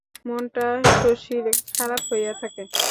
মনটা শশীর খারাপ হইয়া থাকে।